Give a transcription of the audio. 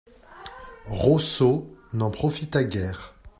Rosso n'en profita guère.